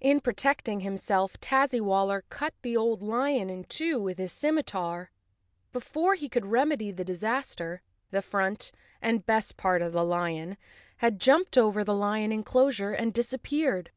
In protecting himself Tazzywaller cut the old lion in two with his scimitar. Before he could remedy the dis¬ aster the front, and best part, of the lion had jumped over the lion enclosure and disappeared.